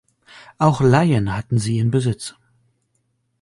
Auch Laien hatten sie in Besitz.